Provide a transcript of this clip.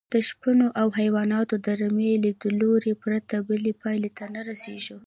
له شپنو او حیواناتو د رمې لیدلوري پرته بلې پایلې ته نه رسېږو.